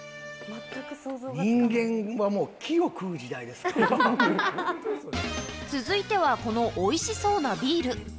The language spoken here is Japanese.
人間はもう、木を食う時代で続いては、このおいしそうなビール。